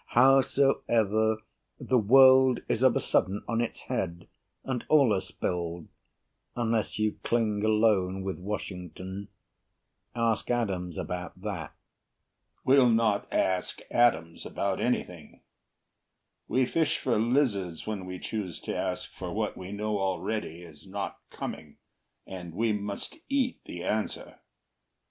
Howsoever, The world is of a sudden on its head, And all are spilled unless you cling alone With Washington. Ask Adams about that. HAMILTON We'll not ask Adams about anything. We fish for lizards when we choose to ask For what we know already is not coming, And we must eat the answer.